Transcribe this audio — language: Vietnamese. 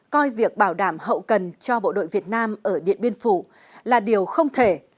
coi việc bảo đảm hậu cần cho bộ đội việt nam ở điện biên phủ là điều không thể